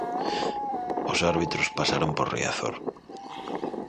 Os árbitros pasaron por Riazor.